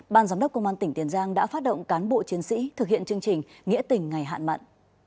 ban giám đốc công an tỉnh tiền giang đã phát động cán bộ chiến sĩ thực hiện chương trình nghĩa tỉnh ngày hạn mặn